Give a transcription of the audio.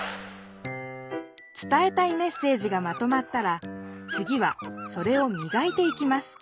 伝えたいメッセージがまとまったらつぎはそれをみがいていきます。